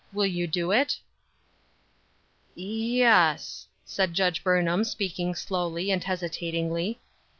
Will you do it ?'*" Y e s," said Judge Burnham, speaking slowly and hesitatingly.